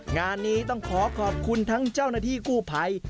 งานนี้ต้องขอขอบคุณทั้งเจ้าหน้าที่กู้ภัย